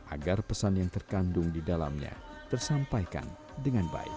agar pesan yang terkandung di dalamnya tersampaikan dengan baik